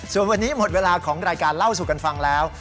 ส่วนวันนี้หมดเวลาของรายการเล่าสู่กันฟังแล้ว